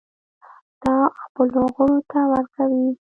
دا خپلو غړو ته ورکوي.